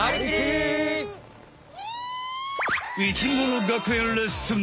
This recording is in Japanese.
生きもの学園レッスン。